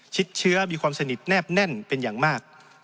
เชื้อมีความสนิทแนบแน่นเป็นอย่างมาก